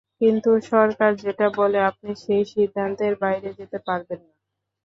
কিন্তু সরকার যেটা বলে আপনি সেই সিদ্ধান্তের বাইরে যেতে পারবেন না।